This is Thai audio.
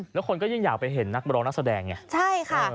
แล้วคนก็ยิ่งอยากไปเห็นนักร้องนักแสดงไงใช่ค่ะ